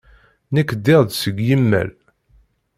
Nekk ddiɣ-d seg yimal.